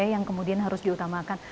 yang kemudian harus diutamakan